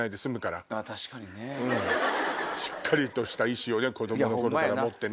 しっかりとした意思をね子供の頃から持ってね。